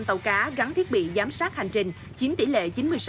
hai mươi năm tàu cá gắn thiết bị giám sát hành trình chiếm tỷ lệ chín mươi sáu bảy mươi hai